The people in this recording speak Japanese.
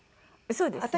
そうですね。